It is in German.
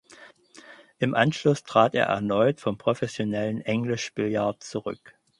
Im Anschluss trat er erneut vom professionellen English Billiards zurück.